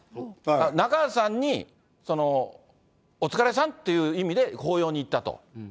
中畑さんにお疲れさんっていう意味で抱擁に行ったと。